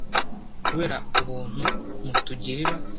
kubera ubuntu mutugirira